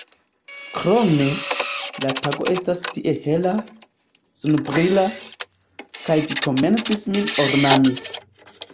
Krome, la tago estas tiel hela, sunbrila, kaj vi komencis min ornami.